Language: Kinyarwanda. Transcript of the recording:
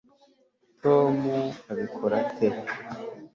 tom abikora ate